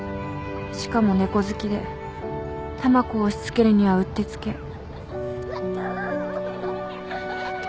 しかも猫好きでたまこを押し付けるにはうってつけ。